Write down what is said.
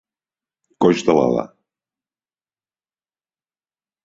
Coix de l'ala.